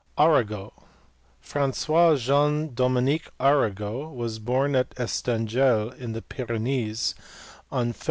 Arago*. Francois Jean Dominique Arago was born at Estagel in the Pyrenees on Feb.